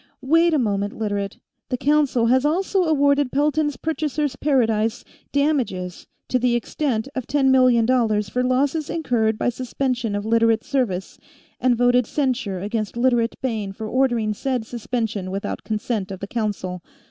"Wait a moment, Literate. The Council has also awarded Pelton's Purchasers' Paradise damages to the extent of ten million dollars, for losses incurred by suspension of Literate service, and voted censure against Literate Bayne for ordering said suspension without consent of the Council.